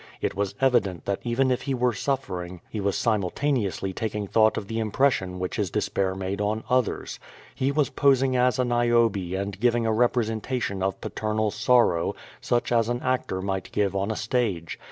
It was evident that even if he were suffering he was simultaneously taking thought of the impression which his despair made on others. He was posing as a Niobe and giving a representation of paternal sorrow, such as an actor might give on a stage.